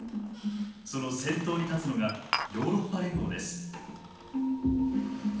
その先頭に立つのがヨーロッパ連合です。